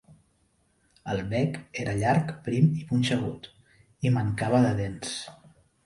El bec era llarg, prim i punxegut, i mancava de dents.